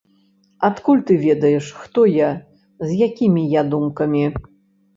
Адкуль ты ведаеш, хто я, з якімі я думкамі?